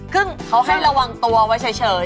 ซึ่งเขาให้ระวังตัวไว้เฉยใช่ไหมคะ